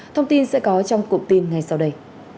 thông tin sẽ có trong cụm tin ngay sau đây